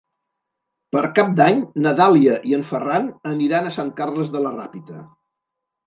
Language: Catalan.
Per Cap d'Any na Dàlia i en Ferran aniran a Sant Carles de la Ràpita.